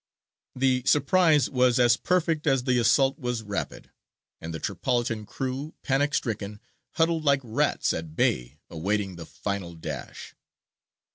The surprise was as perfect as the assault was rapid, and the Tripolitan crew, panic stricken, huddled like rats at bay awaiting the final dash.